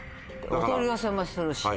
お取り寄せもするし。